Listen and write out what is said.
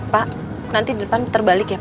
pak nanti di depan terbalik ya pak